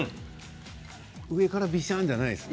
上から、びしゃーんではないんですね。